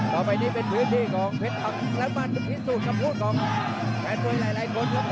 ต่อไปนี่เป็นพื้นที่ของพริศพมัญมันลิคทุคกับผู้ของแก่ต้วยแหละก็นะครับ